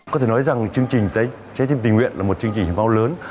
có thể nói rằng chương trình trái tim tình nguyện là một chương trình hiến máu lớn